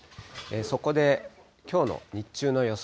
そこできょうの日中の予想